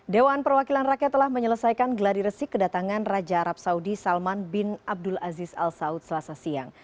dewan perwakilan rakyat telah menyelesaikan gladiresik kedatangan raja arab saudi salman bin abdul aziz al saud selasa siang